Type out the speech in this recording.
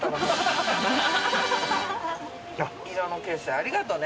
ありがとね。